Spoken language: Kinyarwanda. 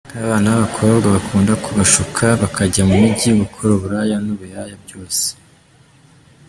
Nk’abana b’abakobwa bakunda kubashuka bakajya mu mijyi gukora uburaya n’ubuyaya byose.